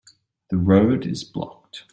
The road is blocked.